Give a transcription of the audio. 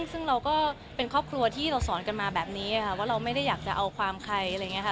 ซึ่งเราก็เป็นครอบครัวที่เราสอนกันมาแบบนี้ค่ะว่าเราไม่ได้อยากจะเอาความใครอะไรอย่างนี้ค่ะ